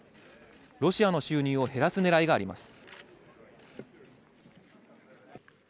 ロシアの収入を減らすねらいがあります。